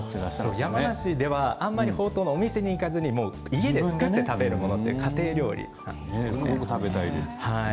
山梨ではほうとうはお店に行かずに家で作って食べるものという感じですね。